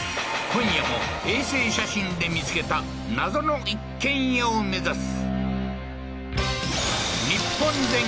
今夜も衛星写真で見つけた謎の一軒家を目指す。